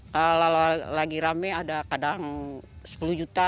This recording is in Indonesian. kalau lagi rame ada kadang rp sepuluh